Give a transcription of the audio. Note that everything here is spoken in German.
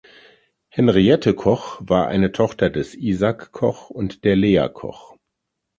Henriette Koch war eine Tochter des Isak Koch und der Lea Koch.